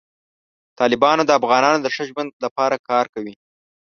طالبان د افغانانو د ښه ژوند لپاره کار کوي.